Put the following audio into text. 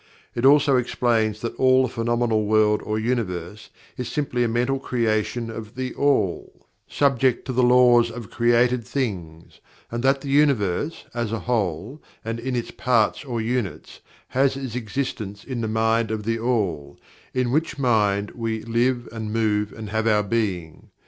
It also explains that all the phenomenal world or universe is simply a Mental Creation of THE ALL, subject to the Laws of Created Things, and that the universe, as a whole, and in its parts or units, has its existence in the Mind of THE ALL, in which Mind we "live and move and have our being."